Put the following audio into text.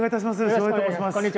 照英と申します。